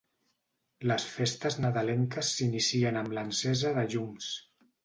Les festes nadalenques s'inicien amb l'encesa de llums.